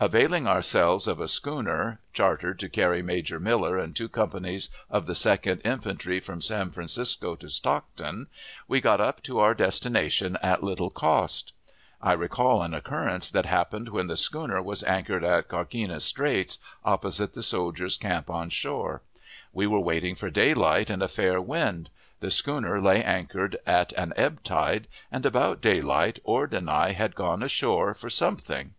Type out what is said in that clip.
Availing ourselves of a schooner, chartered to carry Major Miller and two companies of the Second Infantry from San Francisco to Stockton, we got up to our destination at little cost. I recall an occurrence that happened when the schooner was anchored in Carquinez Straits, opposite the soldiers' camp on shore. We were waiting for daylight and a fair wind; the schooner lay anchored at an ebb tide, and about daylight Ord and I had gone ashore for something.